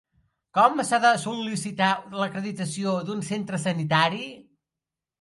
Com s'ha de sol·licitar l'acreditació d'un centre sanitari?